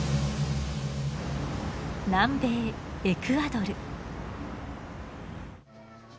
南米エクアドル。